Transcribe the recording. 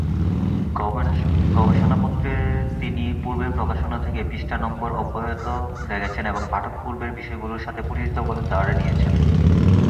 গবেষণাপত্রে তিনি পূর্বের প্রকাশনা থেকে পৃষ্ঠা নম্বর অব্যাহত রেখেছেন এবং পাঠক পূর্বের বিষয়গুলোর সাথে পরিচিত বলে ধরে নিয়েছেন।